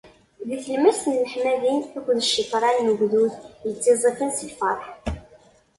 Di tlemmast n leḥmadi akked ccekran n ugdud yettiẓẓifen si lferḥ.